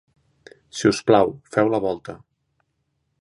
Si us plau, feu la volta.